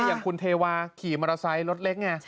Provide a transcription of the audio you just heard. อย่างคุณเทวาขี่มอเตอร์ไซค์รถเล็กไง